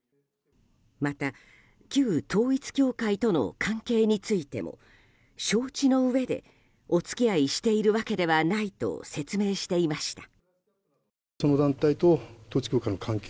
また旧統一教会との関係についても承知のうえでお付き合いしているわけではないと説明していました。